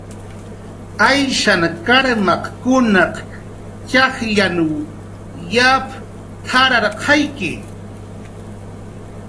"Ayshan karmkunaq txajllanw yap t""ararqayki"